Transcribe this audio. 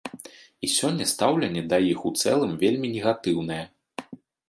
І сёння стаўленне да іх у цэлым вельмі негатыўнае.